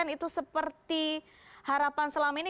itu seperti harapan selama ini